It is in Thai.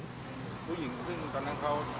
ผู้หญิงซึ่งตอนนั้นเขา